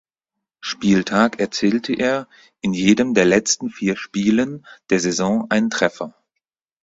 Spieltag erzielte er in jedem der letzten vier Spielen der Saison einen Treffer.